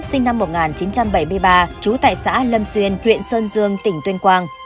sinh năm một nghìn chín trăm bảy mươi ba trú tại xã lâm xuyên huyện sơn dương tỉnh tuyên quang